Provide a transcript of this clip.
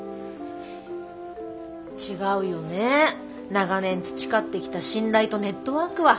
長年培ってきた信頼とネットワークは。